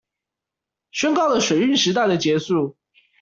宣告了水運時代的結束